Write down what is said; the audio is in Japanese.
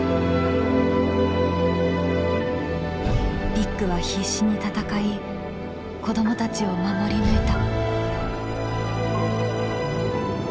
ビッグは必死に戦い子どもたちを守り抜いた。